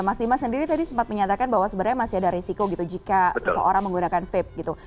mas dimas sendiri tadi sempat menyatakan bahwa sebenarnya masih ada resiko gitu jika seseorang menggunakan vape gitu